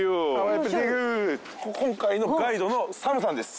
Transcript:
今回のガイドのサムさんです。